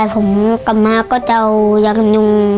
ผมกลับมาก็จะเอายากันยุง